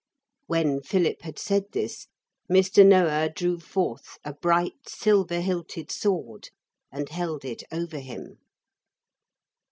When Philip had said this, Mr. Noah drew forth a bright silver hilted sword and held it over him.